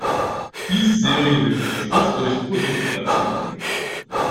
Diese Serie wird unterstützt durch Produktplatzierungen.